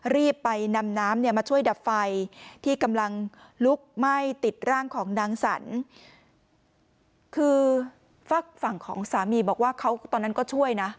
รีบไปนำน้ำเนี่ยมาช่วยดับไฟที่กำลังลุกไหม้ติดร่างของนางสรรคือฝากฝั่งของสามีบอกว่าเขาตอนนั้นก็ช่วยนะ